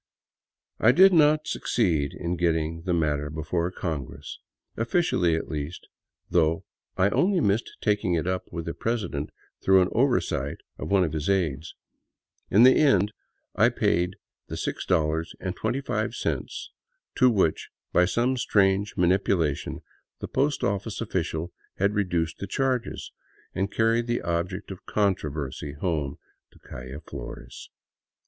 I did not succeed in getting the matter before Congress — officially, at least — though I only missed taking it up with the president through an oversight of one of his aids. In the end I paid the $6.25 to which, by some strange manipulation, the post office official had reduced the charges, and carried the object of controversy home to the calle Flores.